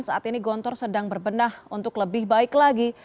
saat ini gontor sedang berbenah untuk lebih baik lagi